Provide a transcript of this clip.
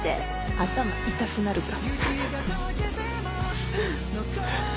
頭痛くなるから。